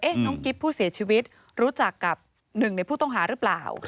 น้องกิ๊บผู้เสียชีวิตรู้จักกับหนึ่งในผู้ต้องหาหรือเปล่า